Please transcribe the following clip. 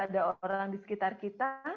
ada orang di sekitar kita